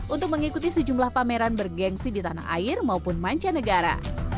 untuk mengikuti sejumlah pameran bergensi di tanah air maupun mancanegara